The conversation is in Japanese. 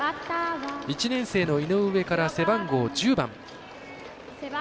１年生の井上から背番号１０番。